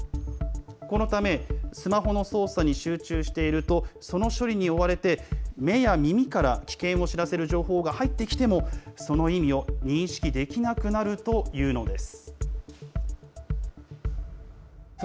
このため、スマホの操作に集中していると、その処理に追われて、目や耳から危険を知らせる情報が入ってきても、その意味を認識できなくなるというのです。